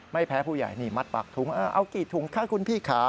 ไม่แพ้ผู้ใหญ่นี่มัดปากถุงเอากี่ถุงคะคุณพี่ค่ะ